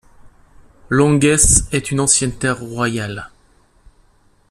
Longuesse est une ancienne terre royale.